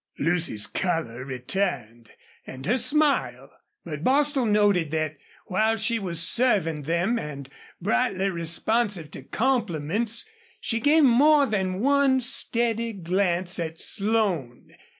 Lucy's color returned and her smile, but Bostil noted that, while she was serving them and brightly responsive to compliments, she gave more than one steady glance at Slone.